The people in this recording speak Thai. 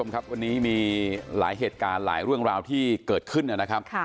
ครับวันนี้มีหลายเหตุการณ์หลายเรื่องราวที่เกิดขึ้นนะครับ